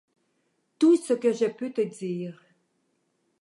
Tout ce que je peux te dire.